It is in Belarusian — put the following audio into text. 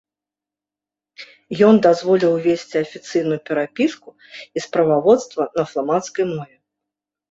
Ён дазволіў весці афіцыйную перапіску і справаводства на фламандскай мове.